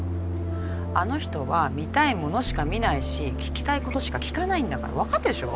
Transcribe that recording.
あの人は見たいものしか見ないし聞きたいことしか聞かないんだから分かってるっしょ？